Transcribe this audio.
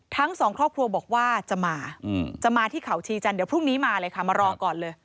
ทั้งสองครอบครัวบอกว่าจะมาจะมาที่เขาชีจันทร์เดี๋ยวพรุ่งนี้มาเลยค่ะมารอก่อนเลย